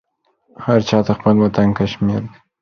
هر چاته خپل وطن کشمیر دی